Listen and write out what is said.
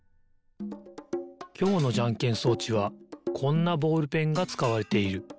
きょうのじゃんけん装置はこんなボールペンがつかわれている。